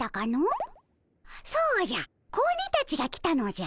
そうじゃ子鬼たちが来たのじゃ。